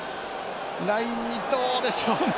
ラインにどうでしょうね。